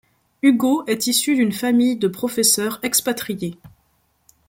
Hugo est issu d'une famille de professeurs expatriés.